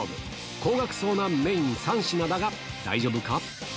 高額そうなメイン３品だが、大丈夫か？